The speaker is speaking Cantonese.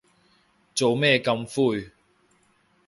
做咩咁灰